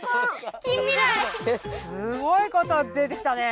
すごいことば出てきたね。